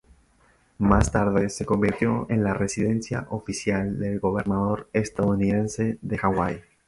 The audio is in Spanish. Más tarde se convirtió en la residencia oficial del Gobernador estadounidense de Hawái.